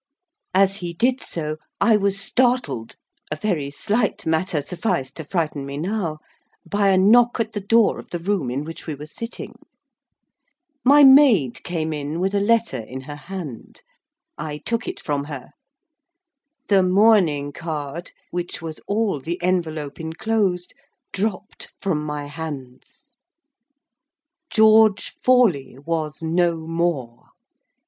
As he did so, I was startled—a very slight matter sufficed to frighten me now—by a knock at the door of the room in which we were sitting. My maid came in, with a letter in her hand. I took it from her. The mourning card, which was all the envelope enclosed, dropped from my hands. George Forley was no more.